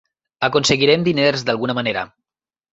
Aconseguirem diners d'alguna manera.